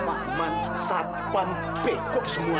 makman sapan pekot semuanya